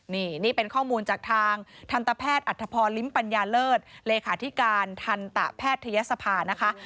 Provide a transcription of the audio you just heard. นี่นี่เป็นข้อมูลจากทางทันตแพทย์อัธพรลิ้มปัญญาเลิศเลขาธิการทันตะแพทยศภานะคะ